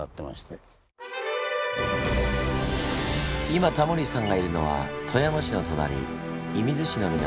今タモリさんがいるのは富山市の隣射水市の港。